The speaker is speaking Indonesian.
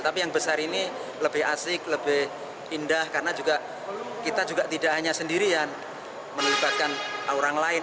tapi yang besar ini lebih asik lebih indah karena kita juga tidak hanya sendirian melibatkan orang lain